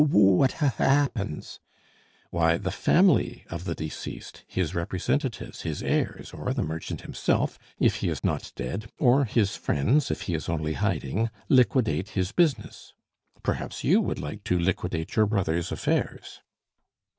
"W w what h h happens?" "Why, the family of the deceased, his representatives, his heirs, or the merchant himself, if he is not dead, or his friends if he is only hiding, liquidate his business. Perhaps you would like to liquidate your brother's affairs?"